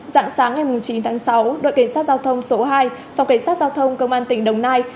dạng sáng ngày chín tháng sáu đội cảnh sát giao thông số hai phòng cảnh sát giao thông công an tỉnh đồng nai